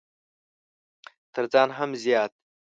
تر ځان هم زيات!